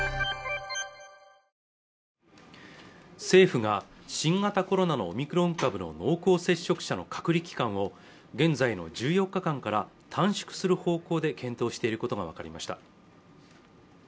政府が新型コロナのオミクロン株の濃厚接触者の隔離期間を現在の１４日間から短縮する方向で検討していることが分かりました